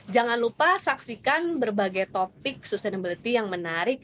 jangan lupa saksikan berbagai topik sustainability yang menarik